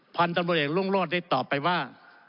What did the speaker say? พันธมเศรษฐ์ลุงโลศได้ตอบไปว่า